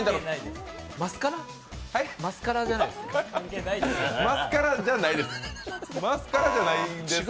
マスカラじゃないですか。